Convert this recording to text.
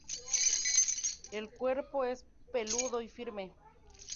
El cuerpo es peludo y firme.